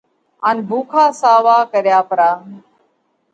ان ڀُوڪا ساوا ڪريا پرا۔